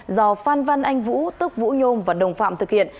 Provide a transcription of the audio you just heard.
do phan văn anh vũ tức vũ nhôm và đồng phạm thực hiện